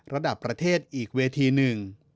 ระดับประเทศอีกเวทีหนึ่ง